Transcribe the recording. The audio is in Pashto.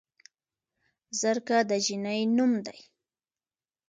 زرکه د جينۍ نوم دے